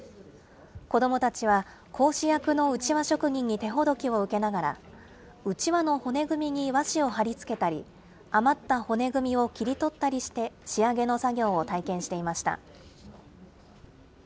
子どもたちは、講師役のうちわ職人に手ほどきを受けながら、うちわの骨組みに和紙を貼りつけたり、余った骨組みを切り取ったりして、仕上げの作業を体験していました。